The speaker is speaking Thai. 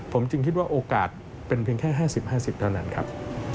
ผมจึงคิดว่าโอกาสเป็นเพียงแค่๕๐๕๐เท่านั้นครับ